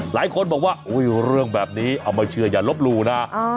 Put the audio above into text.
หลายคนบอกว่าเรื่องแบบนี้เอามาเชื่ออย่าลบหลู่นะ